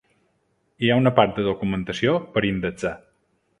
Hi ha una part de documentació per indexar.